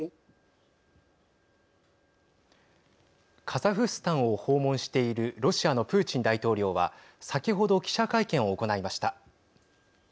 カザフスタンを訪問しているロシアのプーチン大統領は先ほど記者会見を行いました。